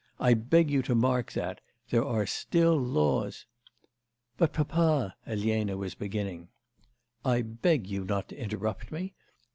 I beg you to mark that: there are still laws ' 'But, papa,' Elena was beginning. 'I beg you not to interrupt me.